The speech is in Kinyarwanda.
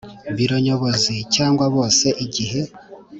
Biro nyobozi cyangwa bose igihe